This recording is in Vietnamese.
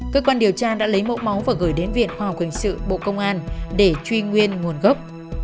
cơ quan điều tra đã lấy mẫu máu và gửi đến viện hòa quyền sự bộ công an để truy nguyên nguồn gốc